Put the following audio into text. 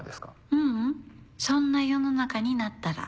ううんそんな世の中になったら。